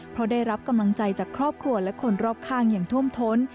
เพราะได้รับกำลังใจจากครอบครัวและคนรอบข้างอย่างท่วมท้น